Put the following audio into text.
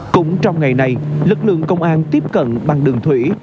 cũng trong ngày này lực lượng công an tiếp cận bằng đường thủy